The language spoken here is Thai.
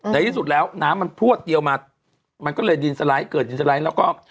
ในที่สุดแล้วน้ำมันพลวดเดียวมามันก็เลยดินสไลด์เกิดดินสไลด์แล้วก็